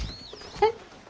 えっ？